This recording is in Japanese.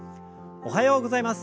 おはようございます。